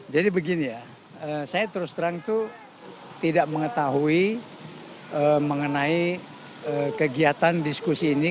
jadi begini ya saya terus terang itu tidak mengetahui mengenai kegiatan diskusi ini